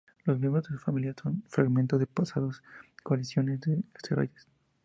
Los miembros de las familias son fragmentos de pasadas colisiones de asteroides.